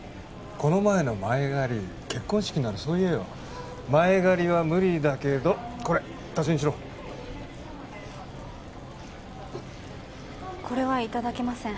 この前の前借り結婚資金ならそう言えよ前借りは無理だけどこれ足しにしろこれはいただけません